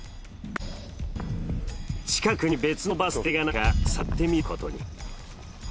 近くに別のバス停がないか探ってみることに。